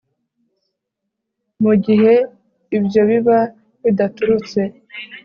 mu gihe ibyo biba bidaturutse